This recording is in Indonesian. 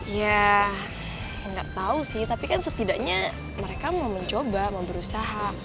ya nggak tahu sih tapi kan setidaknya mereka mau mencoba mau berusaha